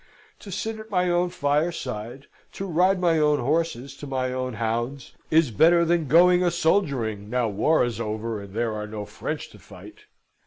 To sit at my own fireside, to ride my own horses to my own hounds, is better than going a soldiering, now war is over, and there are no French. to fight.